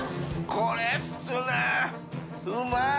これですねうまい！